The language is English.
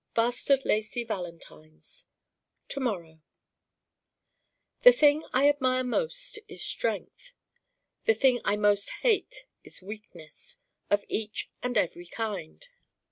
Bastard lacy valentines To morrow The thing I admire most is strength. The thing I most hate is Weakness, of each and every kind.